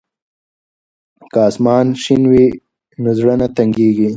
که اسمان شین وي نو زړه نه تنګیږي.